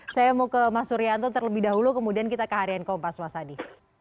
saya mau ke mas suryanto terlebih dahulu kemudian kita ke harian kompas mas adi